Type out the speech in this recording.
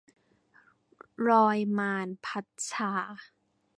รอยมาร - พัดชา